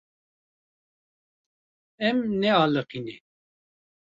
Em nealiqîne.